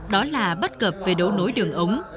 đó là bất cập về đấu nối đường ống